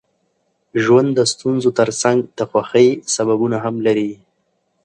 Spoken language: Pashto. ژوند د ستونزو ترڅنګ د خوښۍ سببونه هم لري.